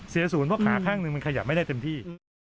เสียศูนย์ว่าขาข้างนึงมันขยับไม่ได้เต็มที่